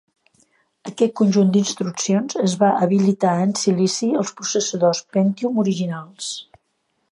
Aquest conjunt d'instruccions es va habilitar en silici als processadors Pentium originals.